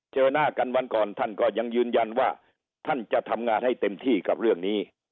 เจอหน้ากันวันก่อนท่านก็ยังยืนยันว่าท่านจะทำงานให้เต็มที่กับเรื่องนี้